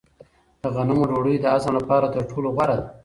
د غنمو ډوډۍ د هضم لپاره تر ټولو غوره ده.